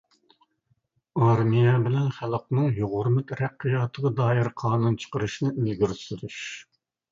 ئارمىيە بىلەن خەلقنىڭ يۇغۇرما تەرەققىياتىغا دائىر قانۇن چىقىرىشنى ئىلگىرى سۈرۈش.